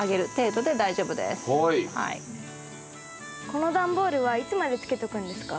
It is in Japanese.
この段ボールはいつまでつけとくんですか？